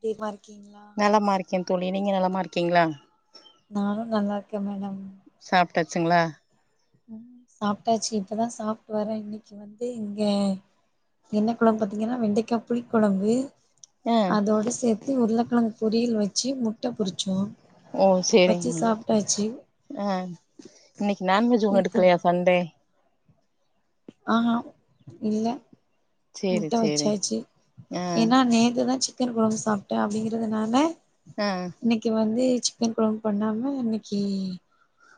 தீபா இருக்கீங்ளா நலமா இருக்க தோழி நீங்க நல்ல இருக்கீங்ளா நானு நல்லா இருக்க மேடம் சாப்ட்டாச்சுங்ளா ம் சாப்ட்டாச்சு இப்ப தா சாப்ட்டு வர இன்னைக்கு வந்து இங்க என்ன குழம்பு பாத்தீங்னா வெண்டிக்கா புளி குழம்பு ஆ அதோடு சேத்து உருளக்கிழங்கு பொரியல் வச்சு முட்ட பொரிச்சோ ஓ வச்சு சேரிங்க சாப்ட்டாச்சு ஆ இன்னைக்கு நான்வெஜ் ஒண்ணு இருக்கு எடுக்கலயா சண்டே ஆ அ இல்ல சேரி முட்ட சேரி வச்சாச்சு ஆ ஏனா நேத்து தா சிக் கன் குழம்பு சாப்ட்ட அப்டிங்கறதுனால ஆ இன்னைக்கு வந்து சிக்கன் குழம்பு பண்ணாம இன்னைக்கு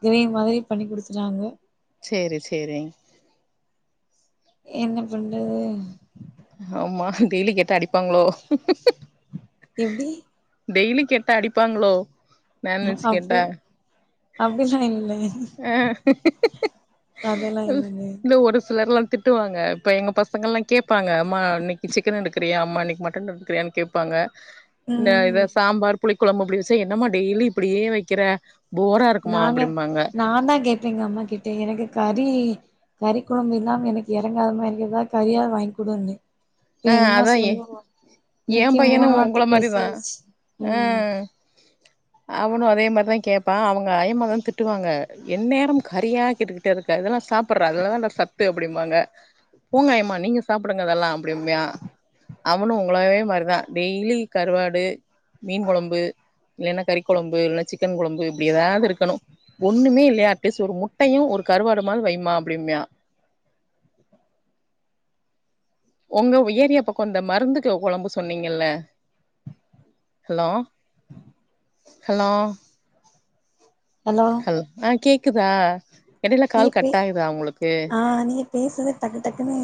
கிரேவி மாரி பண்ணி கொடுத்தாங்க சேரி சேரிங் என்ன பண்றது ஆமா டெய்லி கேட்டா அடிப்பாங்ளோ எப்டி டெய்லி கேட்டா அடிப்பாங்ளோ அப்டி அப்டில்லா இல்லே ஆ ம் இல்லங்க இந்த ஒரு சிலர்லா திட் ட்டுவாங்க இப்ப எங்க பசங்கல்லா கேப்பாங்க அம்மா இன்னிக்கி சிக்கன் எடுக்றியாமா இன்னிக் மட்டன் எடுக்றியான் கேப் ப்பாங்க இந்த இத ம் சாம்பார் புளி கொழம்பு அப்டிவிசய் என்னம்மா டெய்லி இப்படியே வெக்கிற போரா இருக்குமா அப்டிம்பாங்க நா தா கெட் எங்கம்மா கிட்டே எனக்கு கறி கறி கொழம்பு இல்லாம எனக்கு யறங்காத மாரியே தா கறியா வாய்ன் குடுன்னே ப்பி ஆ எங் மா அதா ஏ சொல்லுவோ ஏ பையனு உங்கள மாரி தா ஆ ம் அவனு அதே மார் தய் கேப்பா அவங்க அய்மகன் திட்டுவாங்க என் நேரும் கறியா கேட்டு ட்டிர்க்கு அதெல்லா சாப்புர்றா அதுலதான்டா சத்து அப்டிம்பாங்க பூங்காயமா நீங்க சாப்புடுங்க அதெல்லாம் அப்டிம்யா அவனு உங்களாவே மார்தா டெய்லி கருவாடு மீன் கொழம்பு இல்லன்னா கறி கொழம்பு இல்லன்னா சிக்கன் கொழம்பு இப்டி ஏதாவ் இருக்கணு ஒண்ணுமே இல்யா அட்லீஸ் ஒரு முட்டயு ஒரு கருவாடுமான் வைமா அப்டிம்யா உங்கவ் ஏரியா பக்கோ இந்த மருந்துக்கு கொழம்பு சொன்னீங்கல்ல ஹலோ ஹலோ ஹலோ ஹல் ஆ கேக்குதா எடைய்ல நீ கால் பே கட் ஆய்தா உங்ளுக்கு ஆ நீங்கப் பேசுற்து டக்கு டக்குன்னு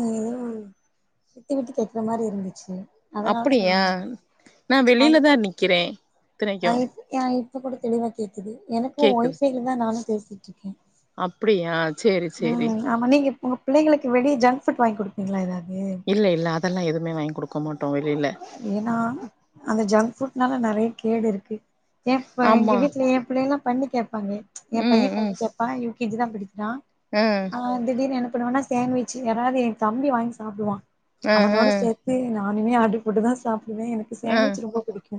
[inaudible] விட்டு விட்டு கேக்ற மார் இருந்துச்சு அதனாலதா நா அப்படியா அமைதி நா ஆ வெளில தா இப்ப நிக்கிறே ஆ இத்தனைக்கு இப் யா இப்ப கூட தெளிவா கேக்குது எனக்கு ஒய்ஃபைல தா நானு பேசிட்ருக்கே அப்டியா ச்சேரி ச்சேரி ம் ஆமா நீங்க உங்க பிள்ளைங்களுக்கு வெளிய ஜங்க் ஃபுட் வாங்கி குடுப்பீங்ளா எதாவ்து இல்ல இல்ல அதல்லா எதுமே வாய்ன்குடுக் கொமட்டோ வய் ஏன்னா அந்த ஜங்க் ஃபுட்னால நறைய கேட் இருக்கு எப்பு எங்க ஆமா வீட்ல எ பிள்ளைள்லா பண்ணு கேப்பாங்க எ ம் பைய பண்ணி கேப் ப்பா யுகேஜி தா படிக்றா ம் ஆ திடீர்னு என்ன பண்ணுவனா சேவிச்சு யாராவ்து எ தம்பி வாய்ன் சாப்டுவா ஆ ஆ அவனோட சேத்து நா ஆனுமே ஆட்டுக் போட்டு தா சாப்டுவே எனக்கு ஆ சாண்விச் ரொம்ப பிடிக்கு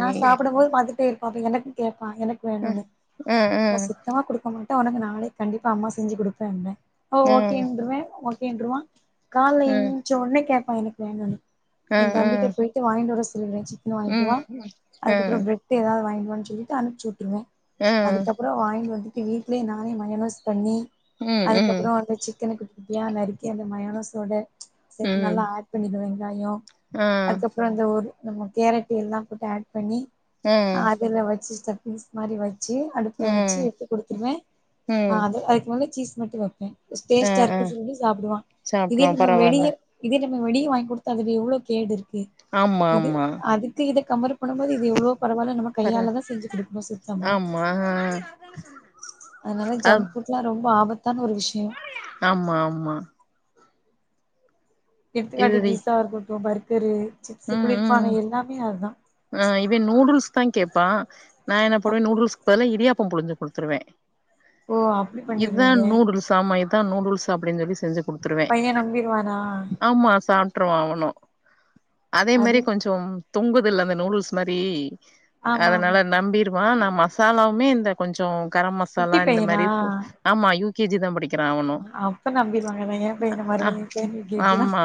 நா சாப்படும் போது பாத்துட்டேர் பாப்பிங்களன் கேப்பா எனக் ஆ வேணுனு ஆ ஆ காசு தா குடுக்க மாட்டே ஆனக்கு நாளே கண்டிப்பா அம்மா செஞ்சு குடுப்பேம்ப ஓ ஆ ஓகேன்றுவே ஒக் ஏன்றுவா கால்ல ஆ எஞ்ச்ச உனே கேப்பா எனக் வேணுனு ஆ என் ஆ தம்பிட்ட போய்ட்டு வாங்கிட்டு வர சொல்ரே சிக்கன் வாய்ன்ட்டு ம் வா ம் ஆ அதுக்கப்றோ ப்ரட் ட்டு ஏதாவ் வாய்ன்ட் வான்னுச் சொல்லிட்டு அனுபச்சி வுட்ருவே ஆ அதுக்கப்றோ வாய்ன் வந்தி ட்டு வீட்லே நானே மயோனோஸ் பண்ணி ம் ம் அதுக்கப்றோ வந்து சிக்கன குட்டி ப்டியா நறுக்கி அந்த மயோனோஸ் ஓடு சேர் ம் நல்லா ஆட் பண்ணிர்விங் வெங்காயோ ஆ அதுக்கப்றோ இந்த ஒரு நம்ம கேரட்டு எல்லா ஒர்த்த ஆட் பண்ணி ஆ அதுல வச்சி ஸ்டஃப்ஃபிங்ஸ் மாரி வச்சி அடுப்ல ஆ வச்சி எடுத்து குடுத்துருவே ம் ஆ அது அதுக் மேல சீஸ் மட்டு வப்பே ஆ ஸ்டேஸ்ட்டா ஆ இருக்கு சொல்லி சாப்டுவா இதே சாப்ட்ருவோ நம்ம பரவால்ல வெளிய இதே நம்ம வெளிய வாய் குடுத்தா அதுல எவ்ளோ கேடுருக்கு ஆமா இது ஆமா அது த்தி இத கம்பர் பண்ணும்போது இது எவ்ளோ பரவால நம பரவா கையால தா செஞ்சு குடுக்கணு சுத்தமா ஆமா ஆ அதனால அ ஜங்க் ஃபுட் ட்லா ரொம்ப ஆபத்தான ஒரு விஷ்யம் ஆம்மா ஆம்மா எடுத்துக்காட்டி இதுதி பீஸா இருக்கட்டு பர்கரு சிப்ஸு ம் குளிர்பானோ ம் எல்லாமே அதா ஆ இவேன் நூடுல்ஸ் தா கேப்பா நா என்ன பண்வே அப்டி நூடுல்ஸ்க்கு பதிலா இரியாப்பம் புழிஞ்சு குடுத்துருவே ஓ அப்டி இதான் பண்ணிருவீங்க நூடுல்ஸ் ஆமா இதான் நூடுல்ஸ் அப்டின் சொல்லி செஞ்சு குடுத் த்துருவே பைய நம்பிருவானா ஆமா சாப்ட்டுருவா அவனு அதே அது மாரி கொஞ்சோ தொங்குதுல்ல அந்த நூடுல்ஸ் மாரி ஆமா ஆமா அதனால ஆமா நம்பிருவா நா மசாலாவுமே இந்த கொஞ்சோ கரம் குட்டி மசாலா இந்த பையனா மாரி போ ஆமா யூ கே ஜி தா படிக்கிறா அவனு அப்ப நம்பிருவாங்கதா ஏ பையன ஆ மறுபடியு எ பையன யூ கே ஜி தா ஆம்மா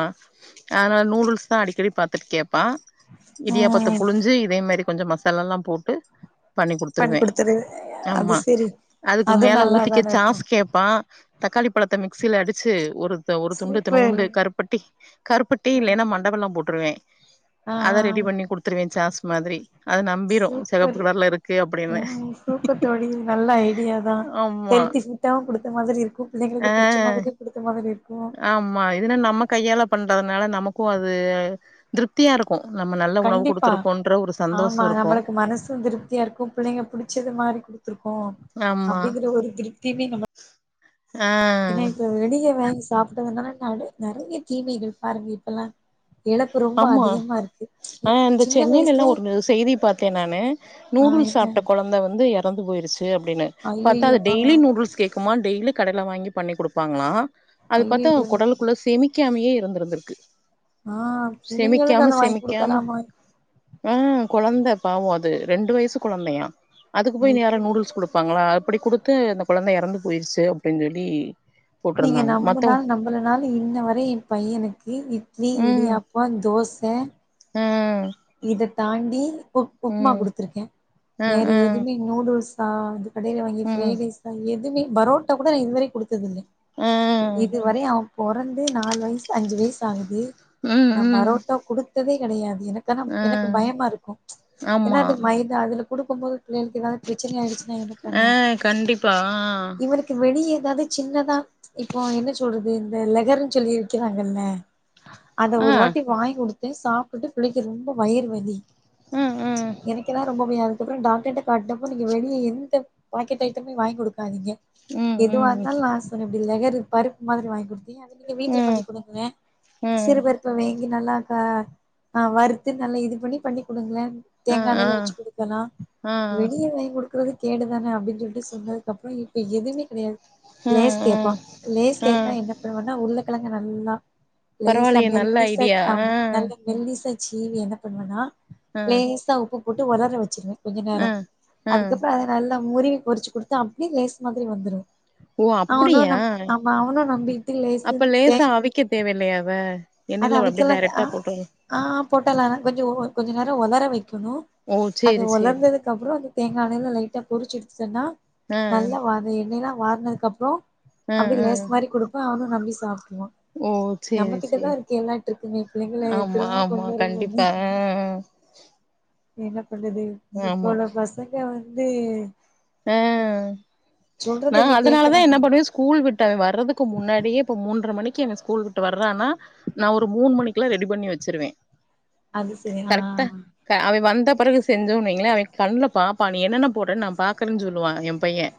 அதனால் நூடுல்ஸ் தா அடிக்கடிப் பாத்துட் கேப்பா இடியாப்பத்தப் ம் புழிஞ்சு இதே மாரி கொஞ்ச மசாலால்லா போட்டு பண்ணிக் பண்ணி குடுத்துருவே குடுத்துரு அது ஆம்மா செரி அதுக்கு அது மேல ஊத்திக்க நல்லாதான இருக்கு சாஸ் கேப் ப்பான் தக்காளிப் பழத்த மிக்சில அடிச்சு ஒருத்த ஒரு துண்டு சூப்பர் இத்துணூண்டு கருப் பட்டி கருப்பட்டி ம் இல்லன்னா மண்ட வெல்லம் போட்டுருவே ஆ அத ரெ டி பண்ணிக் குடுத்துருவே சாஸ் மாதிரி நம்பிரு செகப்பு சூப்பரு கலர்ல இருக்கு அப்டின்னு உம் சூப்பர் தோழி நல்ல ஐடியா தா ஆமா ஹெல்த்தி ஃபு ட்டம் கொடுத்த மாதிரி இருக்கு ஆ புள்ளைங்ளுக்கு புடிச்ச மாதிரியு குடுத்த மாதிரி இருக்கு மா இதுனா நம்ம கையால பண்றதுனால நமக்கு அது திருப்தியா இருக்கு நம்ம நல்ல உணவு குடுத்துருக்கோன்ற ஒரு சந்தோஷ இருக்கு மனசூ திருப்தியா இருக்கு புள்ளைங்க புடிச்சது மாறி குடுத்துருக்கோ ஆமா அப்டிங்கிற ஒரு திருப்தியுமே நமக் ஆஹ ஏனா இப்ப வெளிய வாங்கி சாப்புடதுனால நெறை நெறைய தீமை பாருங்க இப்பல்லா இழப்பு ரொம்ப ஆமா அதிகமா இருக் ஆ இந்த சென்னைலல்லா ஒரு செய்தி பாத்தே நானு ஆ நூடுல்ஸ் என்ன சாப்ட்ட கொழந்த வந்து இறந்து போயிருச்சு அப்டின்னு பாத்தா ஐயையோ அது ஆ டெய்லி நூடுல்ஸ் கேட்குமா டெய்லி கடைல வாங்கி பண்ணி குடுப்பாங்களா அது பாத்தா ஐயையோ குடலுக்கு குள்ள சேமிக்காமயே இருந்திருந்துருக்கு ஆ புள்ளிங்களுக் அத வாங்கி செமிக்காம குடுக்கலாமா ஆ கொழந்த பாவோ அது ரெண்டு வயசு கொழந்தயா அதுக் போயி யாரு ஐயோ நூடுல்ஸ் குடு ப்பாங்ளா அப்டி குடுத்து அந்த கொழந்த இறந்து போயிருச்சு அப்டின் சொல்லி நீங்க போட்ருந்தாங்க நம்பு மத்தவ நாளு நம்பள நாளு இன்ன வரை ஏ பைய்யனுக்கு இட்லி இடியா ப்போ தோச ஆஹ இதத்தாண்டி உ உப்மா குடுத்துருக்கே ஆ வேற ஆ எதுவ்மே நூடுல்ஸா கடைல வாங்கி ம் ஃப்ரைட் ரைஸ் தா எதுவுமே பரோட்டா கூட நா இதுவரையு குடுத்ததில்ல ம் இதுவரையு அவ பொறந்து நாலு வய்சு அஞ்சு வய்சு ஆகுது ம் நா ம் பரோட்டா குடுத்ததே கெடையாது எனக்கு நா எனக் ம் பயமா இருக்கு ஏனா ஆமா அது மைதா அதுல குடுக்கும் போது புள்ளைகளுக் ஏதாவ்து ப்ரச்சன ஆயிடுச்சு நா என்ன ஆ பண்ணே கண்டிப்பா இவளுக் வெளிய ஏதாவ்து சின்னதா இப்போ என்ன சொல்றது இந்த லகருன் சொல்லி விக்கிறாங்கல்ல அத ஆ ஒரு வாட்டி வாயிங் குடுத்தே சாப்புட்டு புள்ளைக்கு ரொம்ப வயிறு வலி ம் ம் எனக்கென்னா ரொம்ப பயோ அப்றோ டாக்டர்ட காட்டினப்போ நீ வெளிய எந்த பாக்கெட் ஐட்டமே வாங்கி குடு டுகாதீங்க ம் எதுவா ம் இருந்தாலு நா சொன்னப்படி பருப்பு மாரி வாங்கி குடுத் அத நீங்க வீட்ல ம் பண்ணி் குடுங்க ம் சிறுபறுப்ப வாங்கி நல்லாக்கா ஆ வறுத்து நல்லா இது பண்ணி பண்ணி் கொடுங்களே ஆ தேங்காய் ஆ எண்ணையில வச்சு கொடுக்கலா ஆ வெளில போயி கொடுக்குறது கேடு தானே அப்டின்னு சொல்லிட்டு சொன்னதுக்கு அப்புறே இப்ப எதுவுமே கிடையாது லேஸ் ம் கேட்பா ம் லேஸ் ஆ கேட்டா என்ன பண்ணுவனா உருக்கிழங்கா நல்லா லேஸ்ச பரவாயில்லையே நல்ல மெல்லிசா ஐடியா ஆமா ஆ நல்ல மெல்லிசா சீவி என்ன பண்ணுவன்னா ஆ லேசா உப்பு போட்டு உலர வச்சிருவே கொஞ்ச ஆ நேர ஆ அதுக்கு அப்புறே அத நல்லா முறிவி பொறிச்சு கொடுத்த அப்டியே லேஸ் மாறி வந்துரு ஓ அவனு அப்படியா நம் ஆமா அவனு நம்பிட்டு லேஸ்சுனு தேங்கா அவிக்கா தேவை இல்லையா அத அத எண்ணெய்ல அப்படியே அவிக்கலா தே ஆ டைரெக்டா போட்டு ஆ போட்டலா கொஞ்ச கொஞ்ச நேர ஒலர வைக்கணு ஓ சேரி சேரி அதுக்கப்புறே அந்த தேங்காய் எண்ணாயில லைட்டா பொரிச்சிடுச்சு சொன்னா ஆ நல்லா வ எண்ணெயா எல்லா வாரனதுக்கு அப்புறே ஆ அப்டி ஆ லேஸ்சு மாறி கொடுப்பே அவனு நம்பி சாப்புட்டு வா ஓ நம்ம சேரி கிட்ட சேரி தா இரு க்கே எல்லா டிர்க்கு பிள்ளைங்களே எப்புடி ஆமா எல்லா ஆமா கொண்டு வரனு கண்டிப்பா ஆ என்ன பண்ணுது ஆ இப்போ ஆமா உள்ள பசங்க வந்து ஆ அத நா சொல்றது எங்க அதனாலதா கேக்குறாங்க என்ன பண்ணுவே ஸ்கூல் விட்டு அவ வர்றதுக்கு முன்னாடியே இப்ப மூன்றரை மணிக்கு அவ ஸ்கூல் விட்டு வர்றானா நா ஒரு மூணு மணிக்குள்ள ரெடி பண்ணி வச்சிருவே அது சேரி ஆ ஆ க்கா அவே வந்த பிறகு செஞ்சோன் வைங்களே அவ கண்ணுல பாப்பா நீ என்னென்ன போட்டு நா பாக் கனு சொல்லு வா என் பையன்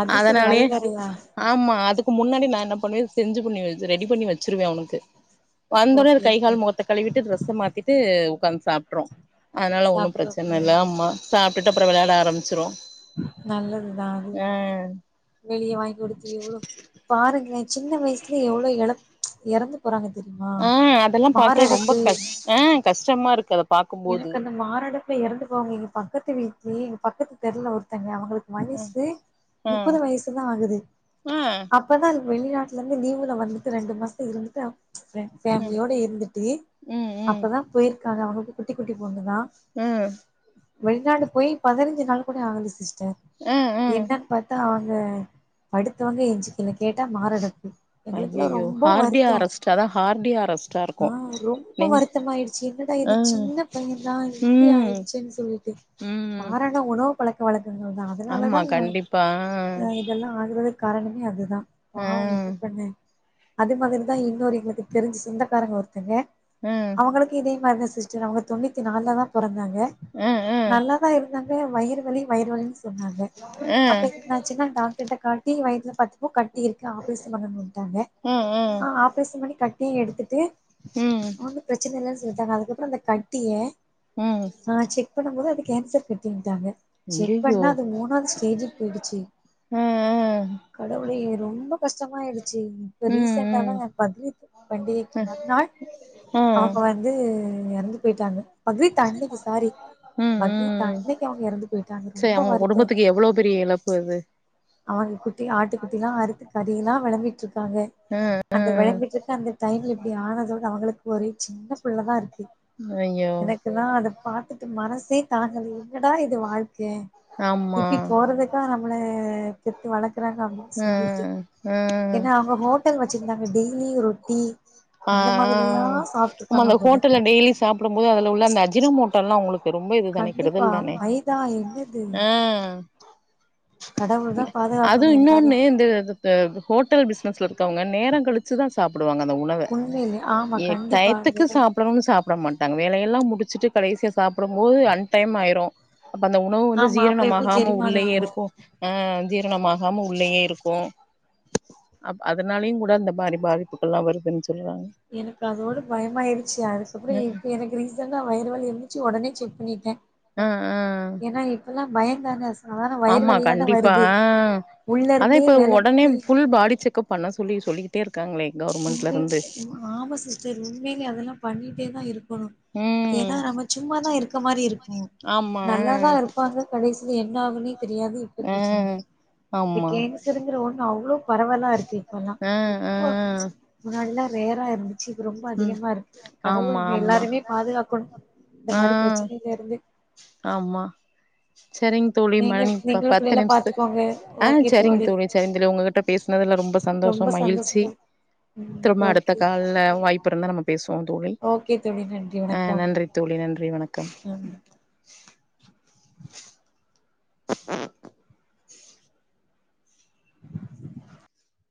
அது சேரி அதுங் அதுங்க ஆமா அதுக்கு முன்னாடி நா என்ன பண்ணுவே செஞ்சு பண்ணி ரெடி பண்ணி வச்சிருவே அவுனுக்கு வந்த உடனே ஒரு ஓகே கை ஓகே கால் முகத்த கழுவிட்டு டிரெஸ்சா மாத்திட்டு உட்காந்து சாப்ட்ரு அதனால ஒன்னு பிரச்சன சாப்ட்றப்ப இல்ல ஆம்மா சாப்பிட்டு அப்புற விளையாட ஆரம்பிச்சுரு நல்லது தா அது வெளியே வாங்கி கொடுத்து எவ்வளோ பாருங்களே சின்ன வயசுல எவ்வளவு இழ இறந்து போறாங்க தெரியுமா ஆ அதெல்லா பாக்க ரொம்ப மாரடப்பு கஷ் ஆ கஷ்டமா இருக்கு அத பாக்கும்போது எனக்கு அந்த மாரடப்புல இறந்து போ வாங்க எங்க பக்கத்து வீட்லேயே எங்க பக்கத்து தெருவுல ஒருத்தங்க அவுங்களுக் வயசு ஆ முப்பது வயசு தா ஆகுது ஆ அப் போதா அது வெளிநாட்டுல இருந்து லிவுல வந்துட்டு ரெண்டு மாசம் இருந்துட்டு பிரண் ம் ஃபேமிலியோட இருந்துட்டு ம் ம் அப்பதா போயிருக்காங்க அவுங்களுக்கு குட்டி குட்டி பொண்ணு தா ம் வெளிநாடு போயி பதினைஞ்சு நாள் கூட ஆகுல சிஸ்டர் ஆ ஆ என்னன்னு பாத் தா அவுங்க அடுத் த்தவங்க என்னாச்சு கேட்டா மாரடப்பு எங்களுக்கு எல்லா ஐயையோ ரொம்ப ஹார்டியா வருத்தே அரெஸ்ட் அதா ஹார்டியா அரெஸ்ட்டா ஆ இருக்கு ரொம்ப நெஞ்சு வருத்தமாயிடுச்சு என்னடா இது ஆ சின்ன பையன் தா இப்புடி ம் ஆயிடுச்சேன்னு சொல்லிட்டு ம் காரணே உணவு பழக்க வழக்கங்கள் தா அதனால ஆமா தா கண்டிப்பா ஆ இத எல்லா ஆகுறதுக்கு காரணமே அது தா ஆ பாவே என்ன பண்ண அது மாதிரிதா இன்னொரு எங்களுக்கு தெரிஞ்ச சொந்தக்காரங்க ஒருத்தா வாங்க ம் அவுங்களுக்கு இதே மாதிரி தா சிஸ்டர் அவுங்க தொன்னுத்திநாலு தா பிறந்தாங்க ஆ ஆ நல்லா ஆ தா இருந்தாங்க வயிறு வலி வயிறு வலினு சொன்னாங்க ம் ந சின்னவெ டாக்டர்ட்ட காட்டி வயித்துல பாத்தப்போ கட்டி இருக்கு ஆபரேச பண்ணனுட்டாங்க ம் ஆப்ரேஷன் பண்ணி கட்டிய எடுத்துட்டு ம் ஒன்னு பிரச்சன இல்லன்னு சொல்லிட்டாங்க அதுக்கப்பறோ அந்த கட்டிய ம் ம் அ செக் பண்ணு போது அது கேன்சர் கட்டின்ட்டாங்க செக் ஐயையோ பண்ணா அது மூணாவது ஸ்டேஜ்க்கு போயிடுச்சி ஆ ஆ கடவுளே எ ரொம்ப கஷ்டமாயிடுச்சு இப்ப ம் ரீசெண்டா தா ம் ஏ பக்ரித் பண்டிகைக்கி மறுநாள் ஆ அவங்க வந்து எறந்து போயிட்டாங்க பக்ரீத் அன்னைக்கு சாரி ம் பக்ரீத் ம் அன்னைக்கு அவங்க எறந்து போயிட்டாங்க சரி ரொம்ப அவுங்க வருத்தோ குடும்பத்துக்கு எவ்ளோ பெரிய எழப் [unintelligible] ஆறுகுட்டி ஆட்டுக்குட்டிலா அறுத்து கறிலா வழங்கிட்டு இருக்காங்க ம் அந்த வழங்கிட்டருக்க அந்த டைம்ல இப்டி ஆனதோட அ உங்களுக்கு ஒரு சின்ன புள்ளதா இருக்கு ஐய்யோ எல்லா அத பாத்துட்டு மனசே தாங்கல என்னடா இது வாழ்க்க ஆமா இப்டி போறதுக் நம்ள பெத்து வளக்றாங்க அப்டின் ஆ சொல்லிட்டு ஆ ஏனா அவுங்க ஹோட்டல் வச்சிருந்தாங்க டெய்லி ரொட்டி அ அந்த மாதிரியா அ சாப்ட்டுருக்காங்க அந்த போல ஹோட்டல்ல டெய்லி சாப்டு போது அதுல உள்ள அந்த அஜின மோட்டல்லா உங்களுக் ரொம்ப இது தானே கண்டிப்பா கெடுதல் தானே மைதா என்னது கடவுள் தா பாதுகாப் இது இன்னொன்னு இந்த ஹோட்டல் பிசினஸ்ல இருக்கவங்க நேரொ கழித் வச்சிதா சாப்டுவாங்க அந்த உணவ உண்மையிலே ஆமா ஏ கண்டிப்பா டயத்துக்கு சாப் சாப்டனு சாப்ட மாட்டாங்க வேலையெல்லா முடிச்சுட்டு கடைசியா சாப்டபோது அன்டைம் ஆயிரு அப்பந்த உண உணவு வந்து ஆமா அப்ப எப்டி ஜீரணமாகாம ஜெரிமானா உள்ளேயே ஆகு இருக்கு ம் ஜீரணமாகாம உள்ளேயே இருக்கு அ அதனாலயு கூட அந்த மாரி பாதிப்புகல்லா வருதுன்னு சொல்றாங்க எனக்கு அதோட பயமயிருச்சு அதுக்கப்பறோ ம் இப்ப எனக்கு ரீசன்டா வயிறு வலி இருந்து ச்சி ஒடனே செக் பன்னிட்டே ம் ஏனா இப்பல்லா பயந்தான வயிறு ஆமா வலியா தா கண்டிப்பா வருது உள்ள அதா இருந்தே இப்ப வேல ஒடனே பண்ணி ஃபுல் பாடி செக்கப் பண்ண சொல்லி சொல்லி சொல்லிட்டே இருக்காங்களே கவர்மென்ட் உண்ம ஆமா சிஸ்டர் உண்மையிலே அதெல்லா பண்ணிட்டே தா இருக்கணு ம் ஏன்னா நம் சும்மாதா இருக்க மாரி இருக்கு ஆமா நல்லாதா இருப்பாங்க கடசி என்ன ஆகுன்ன தெரியாது இப்ப ஆ பிரச்சன இ இந்த ஆமா கேங்கசருங்கிற ஒண்ணு அவ்வளோ பரவலா இருக்கு இப்பெல்லா ரொம்ப அ முன்னாடில்லா ரேரா இருந் இது ரொம்ப அதிகமா இருக்கு கடவுள் ஆமா நம்ம ஆமா எல்லாருமே பாதுகாக்கணு இந்த ஆ மாரி பிரச்சனயில இருந்து ஆமா செரிங் தோழி நீங்க மணி நீங்களு பத்து பிள்ளைகள நிமிஷத்துக்கு பாத்துக்கோங்க அ ஓகே செரிங்க தோழி செரிங்க தோழி உங்ககிட்ட பேசினதுல ரொம்ப சந்தோஷம் சந்தோஷ மகிழ்ச்சி தோழி ம் திரும்ப அடுத்த ஓகே கால்ல வாய்ப்பு இருந்தா நம்ப பேசுவோ தோழி ஓகே தோழி நன்றி அ வணக்கம் நன்றி தோழி நன்றி வணக்கம் ம் [inaudible]